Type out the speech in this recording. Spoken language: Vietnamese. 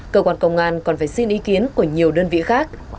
cơ quan công an còn phải xin ý kiến của nhiều đơn vị khác